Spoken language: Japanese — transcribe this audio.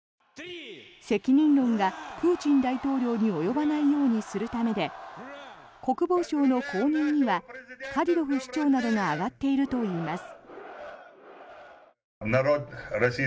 責任論がプーチン大統領に及ばないようにするためで国防相の後任にはカディロフ首長などが挙がっているといいます。